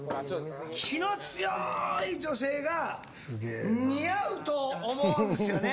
気の強い女性が似合うと思うんすよね。